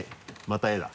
また「え」だ。